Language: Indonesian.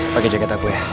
pake jaket aku ya